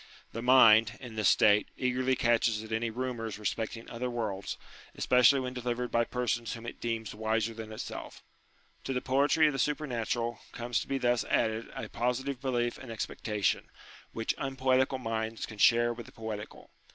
The mind, in this state, eagerly matches at any rumours respecting other worlds, 104 UTILITY OF KELIGIOX especially when delivered by persons whom it deems wiser than itself. To the poetry of the supernatural, comes to be thus added a positive belief and expecta tion, which unpoetical minds can share with the poetical.